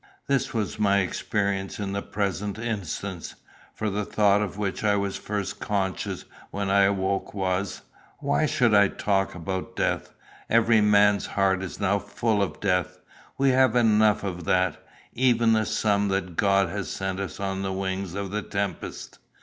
This was my experience in the present instance; for the thought of which I was first conscious when I awoke was, "Why should I talk about death? Every man's heart is now full of death. We have enough of that even the sum that God has sent us on the wings of the tempest.